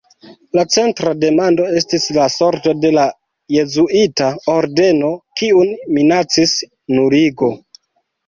La centra demando estis la sorto de la jezuita ordeno, kiun minacis nuligo.